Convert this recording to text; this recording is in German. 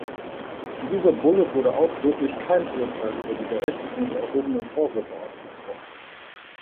In dieser Bulle wurde ausdrücklich kein Urteil über die Berechtigung der erhobenen Vorwürfe ausgesprochen.